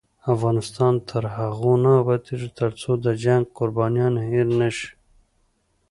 افغانستان تر هغو نه ابادیږي، ترڅو د جنګ قربانیان هیر نشي.